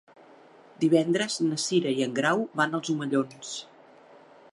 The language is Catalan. Divendres na Cira i en Grau van als Omellons.